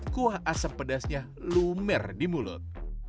kuah asam pedasnya lumer di mulut